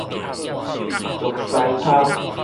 石獅跤